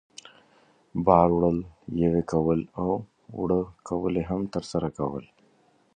بار وړل، یوې کول او اوړه کول یې هم ترسره کول.